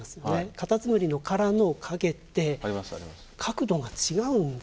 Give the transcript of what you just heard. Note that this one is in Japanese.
カタツムリの殻の影って角度が違うんですよね。